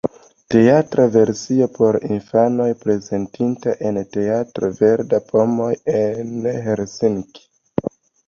Teatra versio por infanoj, prezentita en teatro Verda Pomo en Helsinki.